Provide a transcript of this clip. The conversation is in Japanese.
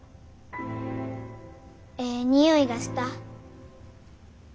えい匂いがした。